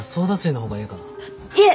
いえ！